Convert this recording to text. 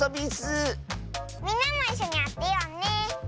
みんなもいっしょにあてようねえ。